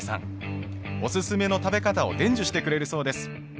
おすすめの食べ方を伝授してくれるそうです。